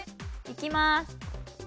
いきます！